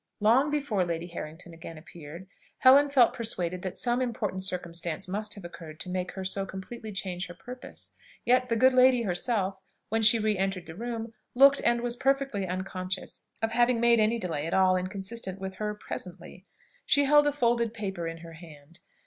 Long before Lady Harrington again appeared, Helen felt persuaded that some important circumstance must have occurred to make her so completely change her purpose; yet the good lady herself, when she re entered the room, looked and was perfectly unconscious of having made any delay at all inconsistent with her "presently." She held a folded paper in her hand.